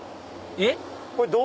えっ？